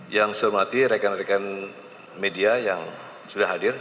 yang saya hormati rekan rekan media yang sudah hadir